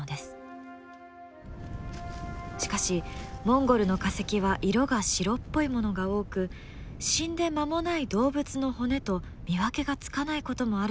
しかしモンゴルの化石は色が白っぽいものが多く死んで間もない動物の骨と見分けがつかないこともあるといいます。